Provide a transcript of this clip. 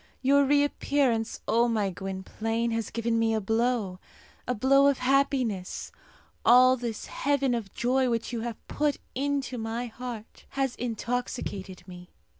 Your reappearance, O my Gwynplaine, has given me a blow a blow of happiness. All this heaven of joy which you have put into my heart has intoxicated me.